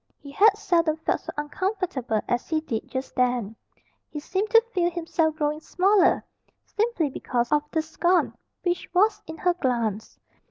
He had seldom felt so uncomfortable as he did just then. He seemed to feel himself growing smaller simply because of the scorn which was in her glance.